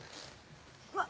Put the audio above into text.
うわっ